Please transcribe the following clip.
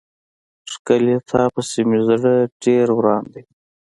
ښکليه تا پسې مې زړه ډير وران دی.